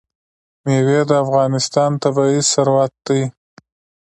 مېوې د افغانستان طبعي ثروت دی.